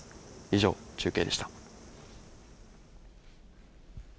以上、中継でした。